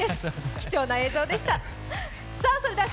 貴重なな映像でした。